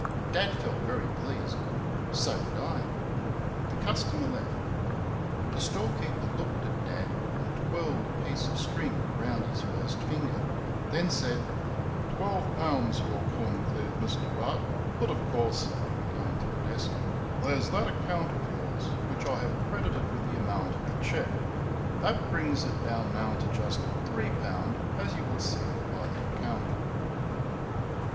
Dad felt very pleased so did I. The customer left. The storekeeper looked at Dad and twirled a piece of string round his first finger, then said "Twelve pounds your corn cleared, Mr. Rudd; but, of course" (going to a desk) "there's that account of yours which I have credited with the amount of the cheque that brings it down now to just three pound, as you will see by the account."